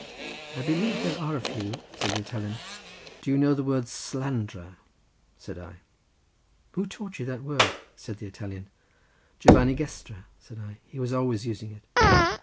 "I believe there are a few," said the Italian. "Do you know the word slandra?" said I. "Who taught you that word?" said the Italian. "Giovanni Gestra," said I—"he was always using it."